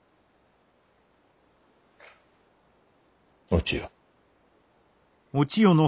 お千代。